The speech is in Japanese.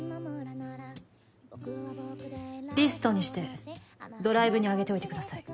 リストにしてドライブに上げておいてください